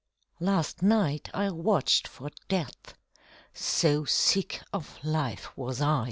Last night I watched for Death So sick of life was I!